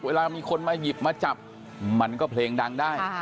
เวลามีคนมาหยิบมาจับมันก็เพลงดังได้